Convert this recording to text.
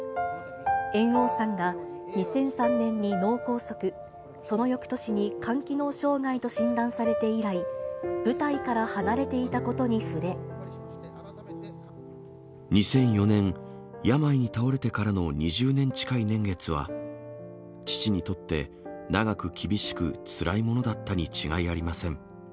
猿翁さんが、２００３年に脳梗塞、そのよくとしに肝機能障害と診断されて以来、舞台から離れていた２００４年、病に倒れてからの２０年近い年月は、父にとって長く厳しく、つらいものだったに違いありません。